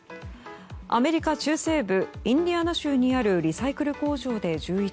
アメリカ中西部インディアナ州にあるリサイクル工場で１１